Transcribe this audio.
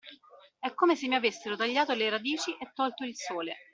È come se mi avessero tagliato le radici e tolto il sole.